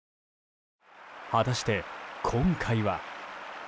果たして、今回は。